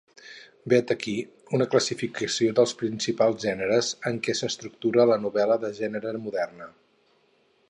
Vet aquí una classificació dels principals gèneres en què s'estructura la novel·la de gènere moderna.